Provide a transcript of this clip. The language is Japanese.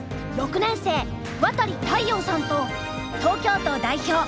６年生渡利大遥さんと東京都代表